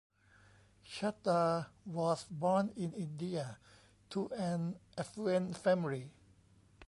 Chaddha was born in India to an affluent family.